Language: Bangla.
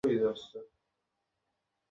কেন এর মানে কী বোঝাতে চাচ্ছো?